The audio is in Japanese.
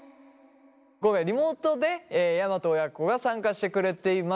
今回リモートで山戸親子が参加してくれています。